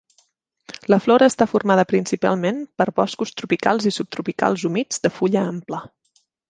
La flora està formada principalment per boscos tropicals i subtropicals humits de fulla ampla.